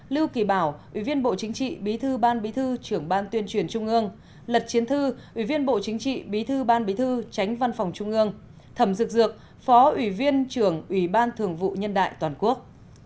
lưu kỳ bảo ủy viên bộ chính trị bí thư ban bí thư trưởng ban tuyên truyền trung ương lật chiến thư ủy viên bộ chính trị bí thư ban bí thư tránh văn phòng trung ương thẩm dực dược phó ủy viên trưởng ủy ban thường vụ nhân đại toàn quốc